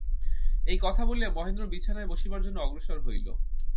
এই কথা বলিয়া মহেন্দ্র বিছানায় বসিবার জন্য অগ্রসর হইল।